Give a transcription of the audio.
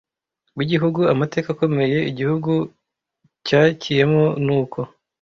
w’Igihugu, amateka akomeye Igihugu cyakiyemo n’uko